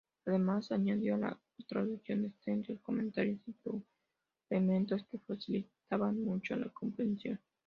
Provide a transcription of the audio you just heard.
Además, añadió a la traducción extensos comentarios y suplementos que facilitaban mucho la comprensión.